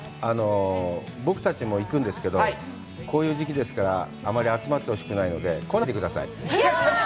僕たちも行くんですけど、こういう時期ですから、あまり集まってほしくないので、来ないでください。